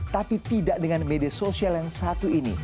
tapi tidak dengan media sosial yang satu ini